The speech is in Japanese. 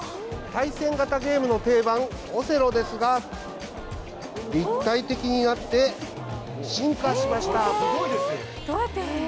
対戦型ゲームの定番、オセロですが、立体的になって、進化しました。